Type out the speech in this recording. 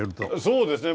そうですね。